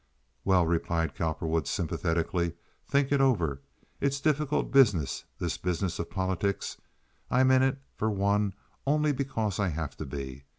"Well," replied Cowperwood, sympathetically, "think it over. It's difficult business, this business of politics. I'm in it, for one, only because I have to be.